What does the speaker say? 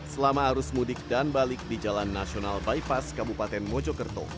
selama harus mudik dan balik di jalan nasional bypass kabupaten mojokerto